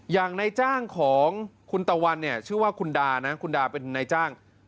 อย่างในจ้างของคุณตะวันเนี่ยชื่อว่าคุณดานะคุณดาเป็นนายจ้าง